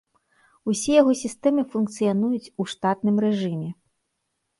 Усе яго сістэмы функцыянуюць у штатным рэжыме.